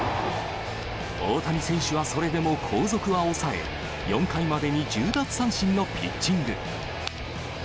大谷選手はそれでも後続は抑え、４回までに１０奪三振のピッチング。